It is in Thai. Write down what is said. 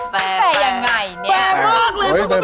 แฟร์อย่างไรเนี่ย